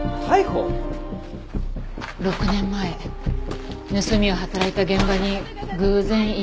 ６年前盗みを働いた現場に偶然居合わせて。